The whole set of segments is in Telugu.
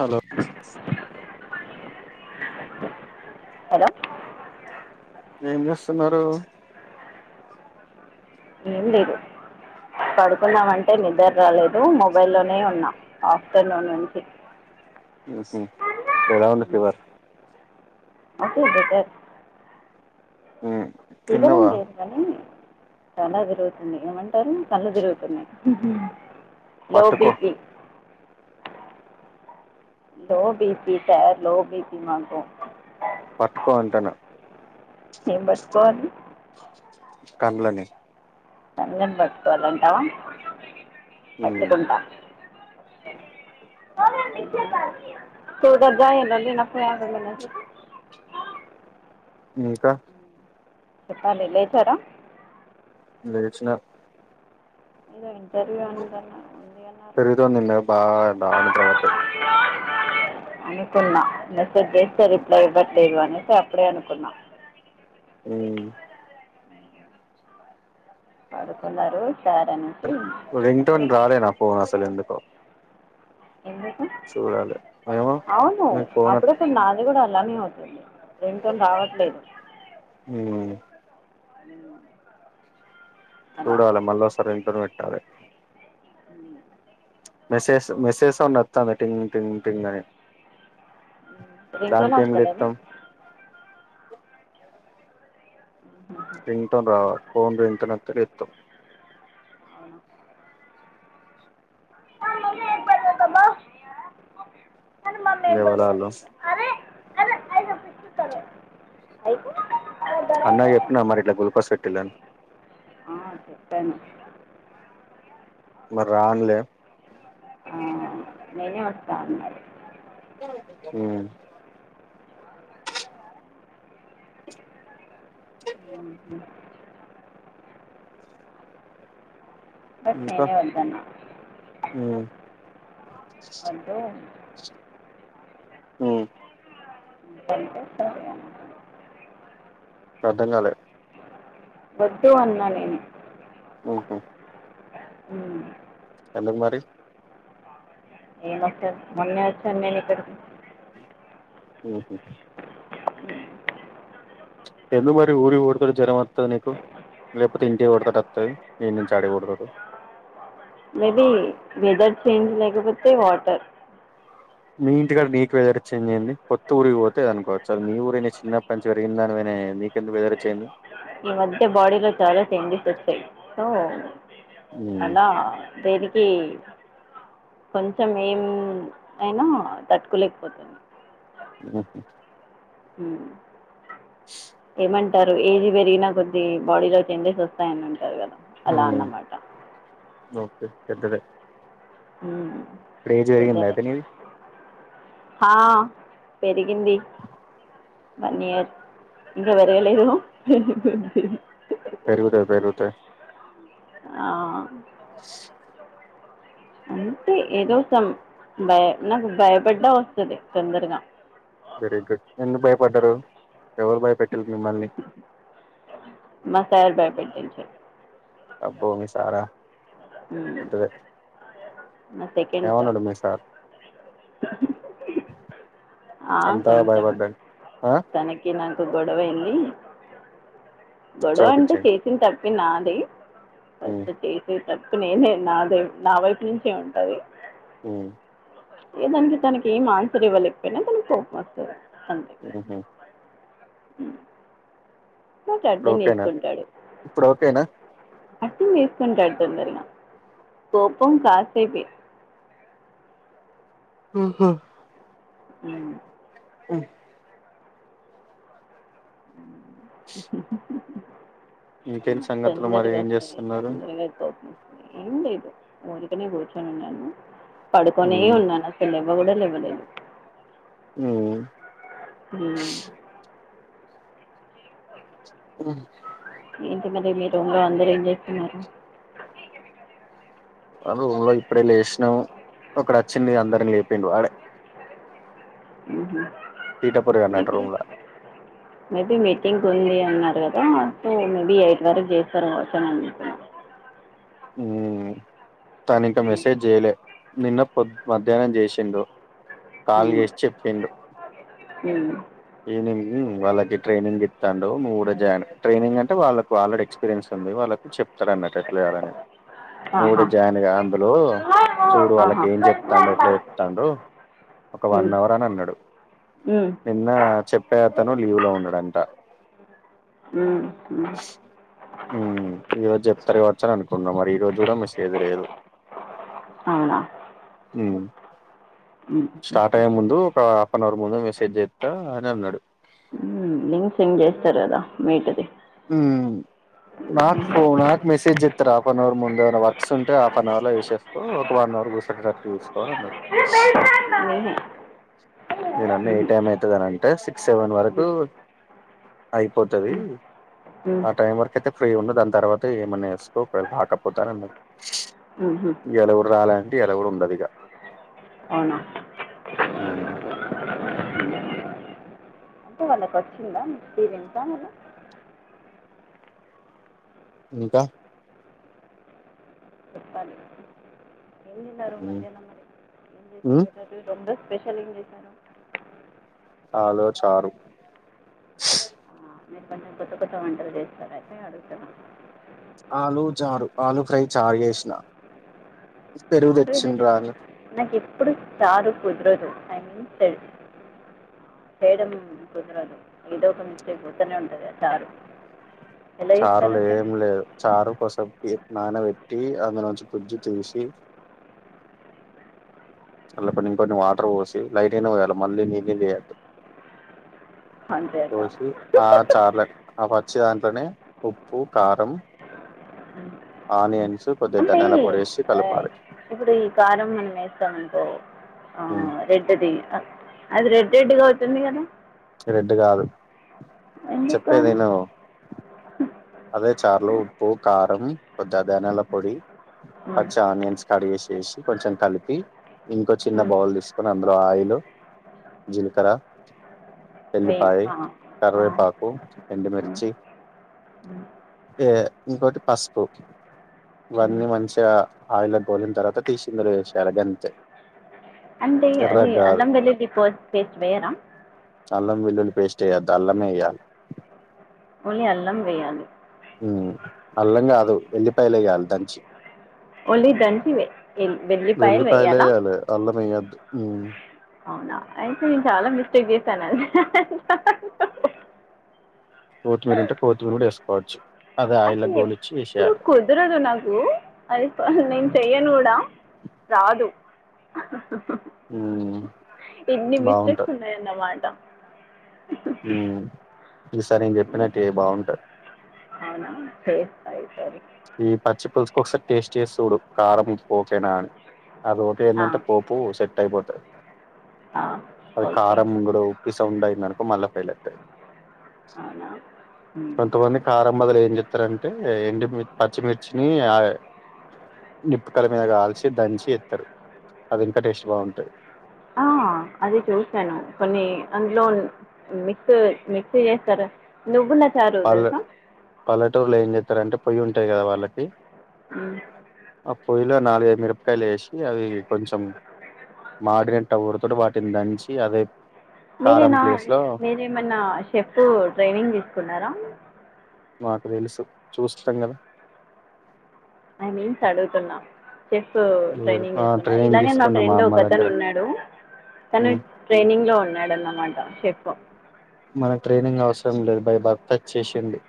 హలో హలో ఏం చేస్తున్నారు ఏం లేదు పడుకుందాం అంటే నిద్ర రాలేదు మొబైలోనే ఉన్నా ఆఫ్టర్నూన్ నుంచి మ్మ్ఉమ్మ్ ఇప్పుడు ఎలా ఉంది fever okay better um fever ఉంది కానీ తల తిరుగుతుంది ఏమంటారు కళ్ళు తిరుగుతున్నాయి లో పట్టుకో BP low BP sir low BP మాకు పట్టుకో అంటాను ఏం పట్టుకోవాలి కండ్లని కండ్లని పట్టుకోవాలంటావా పట్టుకుంటా చూగా జాయల లే నాప్పు ఆ నా ఇంకా చెప్పాలి లేచారా లేేచిన ఏదో ఇంటర్వ్యూ ఉందన్నా పెరుగుతోని తిన్న బా డా నిద్రపట్టే అనుకున్నా మెసేజ్ చేస్తే రిప్లై ఇవ్వ లేవనేసి అప్పుడే అనుకున్నా ఉమ్మ్ పడుకున్నారు సార్ అని రింగ్టోన్ రాలే నా ఫోన్ అసలు ఎందుకో ఎందుకు చూడాలి ఏమో అవును మీకు ఫోన్ అప్పుడే తనాధ్ అది కూడా అలానేే అవుతుంది రింగ్టోన్ రావట్లేదు ఉ [unintelligible] చూడాలే మళ్ళొసరి ఇంటార్నేటలే అ మెసేజ్స్ మెసేజ్ అ వాతంది టింగ్ టింగ్ టింగ్ అని దానికి ఏం రింగ్టన్స్తలేదా లేత్తాం ఓన్లీ ఇంటర్నెట్కే ఇతు అవును మామమ్మీ ఎక్కడదాబోవ్ కానీ మమ్మీబ ఎవలాళ్ళు అరే అరే [unintelligible] అన్నాక్చెప్పిన మరి ఇట్లా గుల్కోస్ పెట్టిలని ఆ చెప్పను మరి రాన్లే ఆ నేనే వస్తాన్నారు హ చె బట్ ఇంకా నేనే వద్దాన్న ఉమ్ వధూ ఉమ్ గంతేసారిగా అర్ధంకాలే వధూ అన్న నేను ఓహు అ ఎందుకు మరి ఎమో సార్ మొన్న వచ్చ నేన్క్కడికి ఉహ్మ్ ఆ ఎందుకు మరి ఊరి కొడతాడు జ్వరం వస్తది నీకు లేకపోతే ఇంటి కొడతాడు వస్తుంది ఇీం నుంచి ఆడి కొడతాడు మేబీ వెదర్ చేంజ్ లేకపోతే వాటర్ మీఇంటికాడ నీకు వెదర్ చేంజ్ంది కొత్త ఊరి పోతేది అనుకోవచ్చు అది మీ ఊరుయినా చిన్నప్ప నుంచి పెరిగిన దానివ అ్యంది వెథెర్ చేంజ్ ఈ మధ్య బాడిలో చాలా చేంజెస్ వచ్చాయి సో ఉమ్ అలా దేనికి కొంచెం ఏం అయినా తట్టుకోలేకపోతుంది ఓహో ఆ ఏమంట్ ఏజ్ పెరిగినా కొద్ది బాడీలో చేంజెస్ వస్తాయని అంటారు కదా అలా ఉమ్ అన్నమాట ఓకే పేదదే హ్మ్ పెరిగిందా పేదదే అయితే నీది ఆ పెరిగింది వన్ ఇయర్ ఇకా పెరగలేదు పెరుగుతాయి పెరుగుతాయి ఆ అంతే ఏదో సం భయ నాకు భయపడ్డ వస్తది తొందరగా వెరీ గుడ్ ఎందుకు భయపడ్డరు ఎవరు భయపెట్టారు మిమ్మల్ని మా సారు భయపెట్టింది అబ్బో మీ సారా మ్మ్. ఎంతదే మా సెకండ్ సార్ ఏవన్నాడు మీ సారు ఆ కొంచెం భయపడ్డాడు ఆ తన కిరు నాకు గొడవ అయింది గొడవ అంటే చోపిచ్చాడు చేసిన తప్పి నాది ఉ చేసిన్ తప్పి నేనే నాదే నా వైపు నుంచే ఉంటది ఉ ఏ దానికి తనకి ఏం ఆన్సర్ ఇవ్వలేకపోయినా తనకి కోపం వస్తది అంతే ఉహు ఉ నాకు ఇప్పుడు అర్థం ఓకేనా చేసుకుంటాడు ఇప్పుడు ఓకేనా అర్థం చేసుసుకుంటాడు తొందరగా కోపం కాసేపే ఆహా ఉ ఆ ఇంకేంటి సంగతులు మరి తొందరగా ఏం వస్తది చేస్తున్నారు తొందరగా అయిపోయింది ఏం లేదు ఊరికనే కూర్చొని ఉన్నాను పడుకొనే ఉమ్ ఉన్నాను అస లేవ కూడా లేెవ లేదు ఉ ఉ ఆ ఇంటి మీదు మీ రూమ్ లో అందరూ ఏం చేస్తున్నారు ఆరూమ్ లో ఇప్పుడే లేసినం ఒకడు వచ్చింది అందరినీ లేపిండు వాడే తీటపురుగు అ అన్నట్టు రూమ్ లా మేబి మీటింగ్ పోయింది అన్నారు కదా సో మేబి ఎయిట్ వరకు చేస్తారు వచ్చారు అని చెప్పాను ఉ తను ఇంకా ఉమ్. మెసేజ్ చేయలే నిన్న పొద్ మధ్యాహ్నం చేసిండు కాల్ ఉమ్. చేసి చెప్పిండు ఉమ్. ఈవినింగ్ వాళ్లకి ట్రైనింగ్ ఇత్తాండు నువ్వు కూడా జాయిన్ ట్రైనింగ్ అంటే వాళ్లకు ఆల్రెడీ ఎక్స్పీరియన్స్ ఉంది వాళ్ళ చెప్తాడు అన్నట్టు ఎట్లా చేయాలని నువ్వు ఆహా కూడా జాయిన్ గా అందులో చూడు వాళ్ళకి ఆహా ఏం చెప్తాండు ఎట్లా చెప్తాండు ఒక వన్ ఉమ్. అవర్ అని అన్నాడు ఉమ్. నిన్న చెప్పే అతను లీవ్ లో ఉన్నాడంట ఉ హ ఉ ఈ రోజు చెప్తారేమో వచ్చా అనుకున్న మరి ఈ రోజు దూర మిస్ ఎదురయిరు అవునా ఉ మ్మ్, స్టార్ట్ అయ్యే ముందు ఒక హాఫ్ ఎన్ అవర్ ముందు మెసేజ్ చేస్తా అని అన్నాడు ఉ లింక్ సెండ్ చేస్తారు కదా వీటది ఉ నాకు ఫోన్ నాకు మెసేజ్ చేత్తారు హాఫ్ ఎన్ అవర్ ముందు ఏవన్నా వర్క్స్ ఉంటే హఫ్ అన్ అవర్ లో చేసస్ ఒక వన్ అవర్ కూసునేటట్టు చూసుకో అన్నది నేనే. నిను అన్న ఏ మ్మ్, టైమాయితదని అ సిక్స్ సెవెన్ వరకు అయిపోతది మ్మ్, ఆ టైం వరకు అయితే ఫ్రీగ ఉండ దాని తర్వాత ఏమన్నా వేసుకో ఒక రాకపోటే అని అన్న మ్మ్. ఇయ్యాల కూడా రాలె అంటే ఇయ్యాల కూడా ఉండది ఇగ అవునా మ్ కు వళ్ళకు వచ్చింద మీరే ఇంకా నండి ఇంకా చెప్పలి ఏం తిన్నారు ఉమ్ మధ్యాహ్నం మరి ఏం ఉమ్ చేసారు మీ రూమ్లో స్పెషల్ ఏం చేశారు అలు చారు ఆ మీరు కొంచెం కొత్త కొత్త వంటలు చేస్తార అయితే అడుగుతున్న ఆలు చారు ఆలు ఫ్రై చారు చేసిన పెరుగు చారు ఎలా చేస్తారు తెచ్చిర్రలు నాకు ఎప్పుడు చారు కుదరదు ఐ మీన్ ఏల్ మేడం కుదురదు ఏదో ఒక పోతనే ఉంటది ఆ చారు ఎలా చారు చేస్తారు లో అసలు ఎం లేదు చారు కోసేప్ నానబెట్టి అందులో నుంచి గుజ్జు తీసి అళ్ల ఇంకొన్ని వాటర్ పోసి లైట్ గనే పోయాలే మళ్ళీ నీళ్లు నీళ్లు చేయ్యద్దు అంతేట పోసి ఆ చార్ల ఆ పచ్చి దంట్లనే ఉప్పుూ కారం ఆనియన్స్ కొద్దిగ అంటే ధనియల పొడి ఏసి ఆ, కలపాలి ఇప్పుడు ఈ కారం మనం వేస్తామనుకో ఆ ఉమ్, రెడ్ ది ఆ రెడ్ రెడ్గా అవుతుంది కదా రెడ్ కాదు ఎందుకు చెప్పేది కాదు విను అదే చార్లో ఉప్పు కారం కొద్దిగా ధనాల పొడి ఉమ్, పచ్చ ఆనియన్స్ కడిగేసేసి కొంచెం కలిపి ఇంకో చిన్న ఉమ్, బౌల్ తీస్ కొని అందులో ఆయిల్ జీలకర వేయం. ఏల్లిపాయి ఆ, ఆ, కరవేపాకు ఎండుమిిర్చి ఉ ఏ ఇంకోటి పసుపు ఉమ్. ఇవన్నీ మంచిగా ఆయిలో గోలిన తర్వాత తీసి ఇందులో వేసేయాలి అంతే అంటే అది అల్లం వెల్లి ప్ పేస్ట్ వేయరా అల్లం వెల్లులి పేస్ట్ వేయద్దు అల్లమే వేయాలి ఓన్లీ అల్లం వెయాలి అల్లం కాదు ఎల్లి పయలేయాలి దంచి ఓన్లీ దంచి ఏ ఎల్ వేల్లిపాయల్ వెల్లిపాయలు వేయాలా వేయాలి అల్లం వేయద్దు ఉమ్ అవునా అయిటే నిను చాలా మిస్టేక్ చేసనండి కోతిమీరు ఉంటే కోత్తిమీరు కూడా ఎస్కోవచ్ అయితే ఎప్పుడు కుదరదు నాకు అది నేను చెయ్యను కూడా రాదు ఉమ్ ఇన్ని మిస్టేక్స్ బాగుంటది ఉం న్నయన్నమట మ్ ఈ సరి నను చెప్పినట్టు ఏయ్ బాగుంటది అవునా చేస్తా ఈ సరి ఈ పచ్చి పులుసుకొకసారి టేస్ట్ చేసి చూడు కారం ఉప్పు ఓకేనా అని ఆది ఒకే ఆ, ఆఇందంటే పోపు సెట్ అయిపోతది ఆ, అది ఓకే కారం ముంగుడు ఉప్పిసం అయిందనుకో మళ్ళా ఫెయిల్ అయితది అవునా ఉమ్. కొంతమంది కారం బదులు ఏం చెప్తారంటే ఎండు మి ర్చి మిర్చిని నిప్పుకాయల మీద కాల్చి దంచి ఎత్తారు అది ఇంకా టేస్ట్ బాగుంటాయి ఆ అది తెలుసన్న కొన్ని అందులో మిక్స్ మి క్స్ చేస్తారు నువ్వు పల్లె పల్లెటూరులో ఏం చెతారంటే పొయ్యి ఉంటాది కదా వాళ్ళకి ఉమ్ ఆ పొయ్యిలో నాలుగైదు మిరపకాయలు ఏసి అవి కొంచెం మాడినట్టా ఉరతోటే వాటిని దంచి అదే కారం మీరేనా ప్లేస్ లో మీరేమన్నా షెఫ్ ట్రైనింగ్ తీసుకున్నారా మాకు తెలుసు చూస్తాం కదా ఐ మీన్స్ అడుగుతున్నా చెఫ్ లేదు ట్రైనింగ్ ఆ తీసుకున్నా ట్రైనింగ్ ఇలాగే మా తీసుకున్నా ఫ్రెండ్ అమ్మ ఒకతను దగ్గర ఉన్నాడు తను ఉమ్ ట్రైనింగ్‌లో ఉన్నాడు అన్నమాట చెఫ్ మనకు ట్రైనింగ్ అవసరం లేదు బై బర్త్ వచ్చేసింది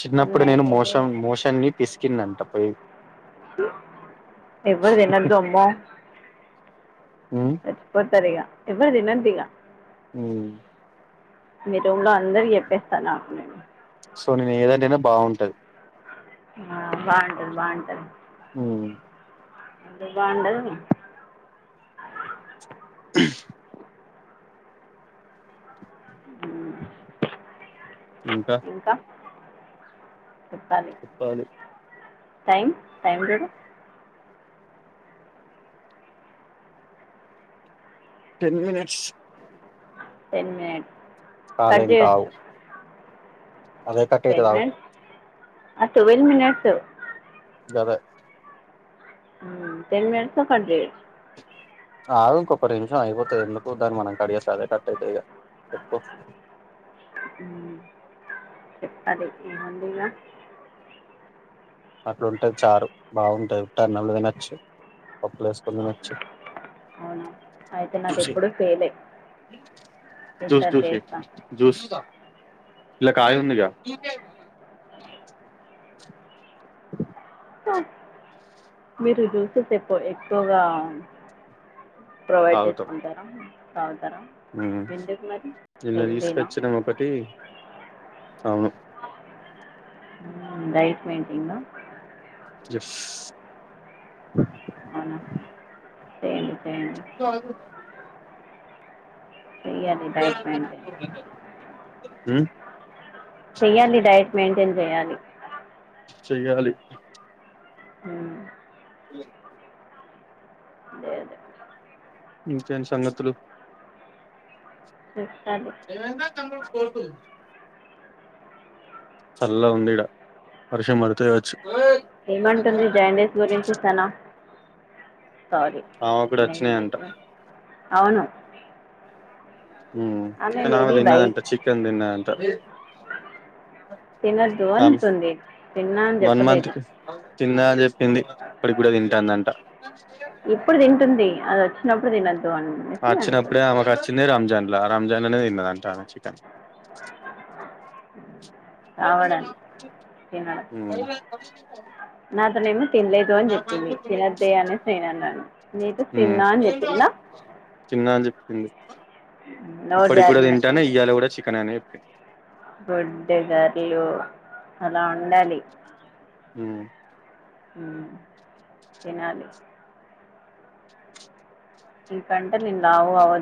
చిన్నప్పుడే తను నేను ఇది మోషం మోషాన్ని పిసికిన్నాంట పోయి చి ఎవ్వరుతినద్దు అమ్మ ఉమ్ సచ్చిపోతారు ఇగ ఎవ్వరు తినద్దు ఇగ ఉమ్ మీ రూమ్‌లో అందరికీ చెప్పేస్తా నాకు నేను సో నేను ఏదొండిన బాగుంటది ఆ బాగుంటది బాగుంటది ఉమ్మ్ ఎందుకు బాగుండదు అ ఉమ్, ఇంకా ఇంకా చెప్పాలి చెప్పాలి టైం టైం చూడు టెన్ మినిట్స్ టెన్ మినిట్ కాలేం కావు టెన్ ఆవు మినిట్స్ ఆ టువల్ మినిట్స్ గదే ఉమ్మ్ టెన్ మినిట్స్‌లో కట్ చేయ ఆగు ఇంకొక రిమిషం అయిపోతది ఎందుకు దాన్ని మనం కట్ చేస్తే అదే కట్ అయితాదిగా చెప్పు ఉమ్మ్ చెప్పాలి ఏముంది ఇగ అట్లుంటది చారు బాగుంటాది ఉత్త అన్నంలో తినచ్చు పప్పులో ఎస్ కొని తినచ్చు అవునా అయితే నాది ఎప్పుడు చెయ్యలే జ్యూస్ ఈసారి జ్యూసీ చేస్తా జ్యూస్ ఇల్లా కాయ ఉందిగా మీరు జూసెస్ ఎక్కు ఎక్కువగా ప్రొవైడ్ చేసుకుంటారా తాగుతారా ఉమ్మ్ ఎందుకు మరి నిన్న హెల్దీనా తీసుకొచ్చినాం ఒకటి అవును రైట్ మైంటింగా ఎస్ అవునా చేయండి చేండి అవును ఇయాలి డైట్ మైంటైన్ హ్మ్మ్ చెయ్యాలి డైట్ మెయింటైన్ చేయాలి చెయ్యాలి అ అదే అదె ఇంకేంట్సంగతులు సారె ఎల్లడా తమ్ముడు స్కూల్ కి చల్లగాఉంది ఇడ వర్షం పడతాగవచ్చు ఏమంటుంది జాండ్స్ గురించి సన సోరి ఆమె కూడా నేన్ వచ్చినాయంట చేసే అవును ఆ ఆమె మేబీ ఇందాకతిన్నదంట వైట్ చికెన్ తినదంట తినద్దు అంటుంది తిన్నా అని చెప్పలేదు తిన్న అని చెప్పింది ఇప్పుడిప్పుడే తింటాందంట ఇప్పుడు తింటుంది అది వచ్చినప్పుడు తినొద్దు అని వచ్చినప్పుడే ఆమెకు వచ్చింది రంజాన్ లా ఆ రంజాన్లో తిన్నదంట ఆమె చికెన్ రావడానికి తినడం ఆ నాతోనేమో తినలేదు అని చెప్పింది తినద్ద్దే అనేసి నేనన్న నీతో తిన్న అని చెప్పిందా తిన్నాఅని చెప్పింది నోరు ఇప్పడికి కూడా తింటానే జారినట్టుంది ఇయ్యాలా కూడా చికెన్ అనే గూడు గర్లు అలా ఉండాలి అ ఆ తినాలి ఒక గంట లావ్వు